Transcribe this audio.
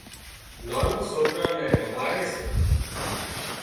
نانان سوڪران نين رماڙي سي